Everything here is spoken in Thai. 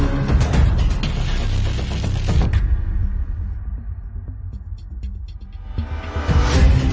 ตอนนี้ก็ไม่มีอัศวินทรีย์